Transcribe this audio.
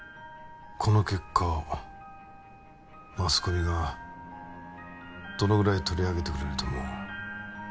この結果をマスコミがどのぐらい取り上げてくれると思う？